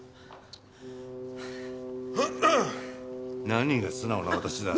何が素直な私だ。